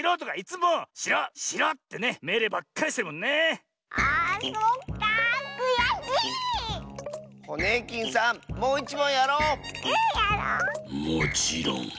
もちろん。